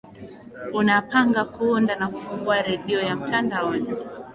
unapanga kuunda na kufungua redio ya mtandaoni